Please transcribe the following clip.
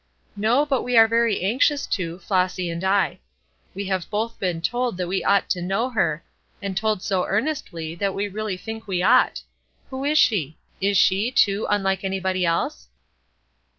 "No, but we are very anxious to, Flossy and I. We have both been told that we ought to know her, and told so earnestly that we really think we ought. Who is she? Is she, too, unlike anybody else?"